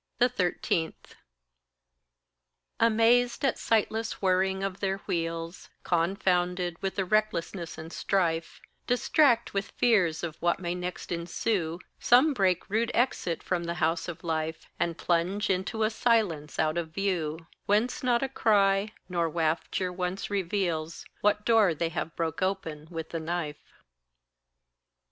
13. Amazed at sightless whirring of their wheels, Confounded with the recklessness and strife, Distract with fears of what may next ensue, Some break rude exit from the house of life, And plunge into a silence out of view Whence not a cry, no wafture once reveals What door they have broke open with the knife.